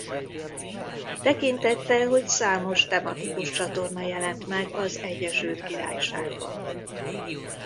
Tekintettel hogy számos tematikus csatorna jelent meg az Egyesült Királyságban.